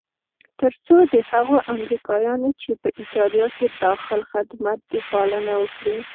تر څو د هغو امریکایانو چې په ایټالیا کې داخل خدمت دي پالنه وکړي.